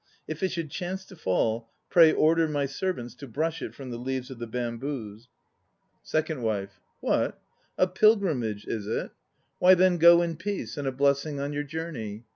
If it should chance to fall, pray order my servants to brush it from the leaves of the bamboos. 238 THE NO PLAYS OF JAPAN SECOND WIFE. What? A pilgrimage, is it? Why then go in peace, and a blessing on your journey.